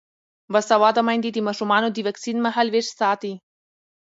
باسواده میندې د ماشومانو د واکسین مهالویش ساتي.